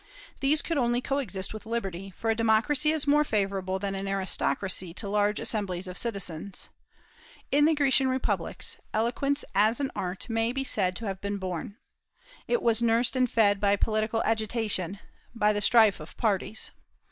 These could only coexist with liberty; for a democracy is more favorable than an aristocracy to large assemblies of citizens. In the Grecian republics eloquence as an art may be said to have been born. It was nursed and fed by political agitation, by the strife of parties.